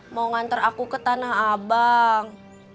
mau ngantar aku ke tanah abang